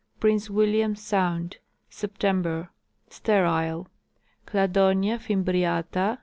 Prince William sound, September. Sterile. Cladonia fimhriata, (L.)